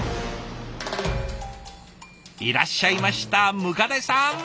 いらっしゃいました百足さん。